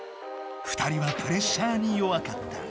２人はプレッシャーに弱かった。